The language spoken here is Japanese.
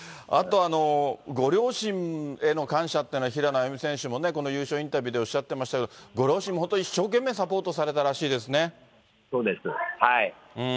あとご両親への感謝っていうのは、平野歩夢選手も優勝インタビューでおっしゃってましたけれども、ご両親も本当、一生懸命サポートされたそうですね。